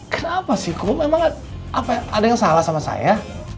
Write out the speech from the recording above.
kenapa sih kum emang ada yang salah sama saya